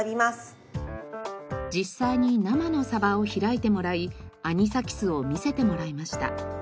実際に生のサバを開いてもらいアニサキスを見せてもらいました。